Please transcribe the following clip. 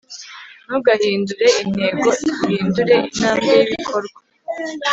ntugahindure intego, uhindure intambwe y'ibikorwa